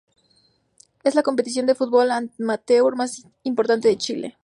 Es la competición de fútbol amateur más importante de Chile.